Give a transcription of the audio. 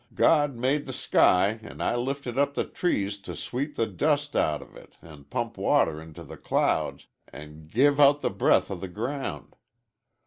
God m made the sky an' l lifted up the trees t' sweep the dust out of it an' pump water into the clouds an' g give out the breath o' the g ground.